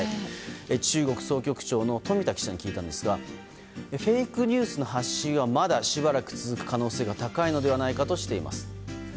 中国総局長の富田記者に聞いたんですがフェイクニュースの発信はまだしばらく続く可能性が高いのではないかとしています。